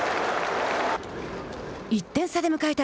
１点差で迎えた